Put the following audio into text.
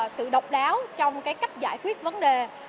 sự độc đáo trong cách giải quyết vấn đề